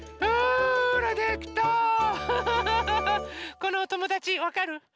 このおともだちわかる？